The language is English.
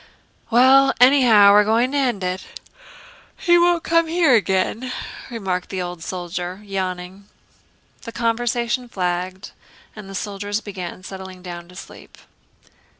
"Well, anyhow we're going to end it. He won't come here again," remarked the old soldier, yawning. The conversation flagged, and the soldiers began settling down to sleep.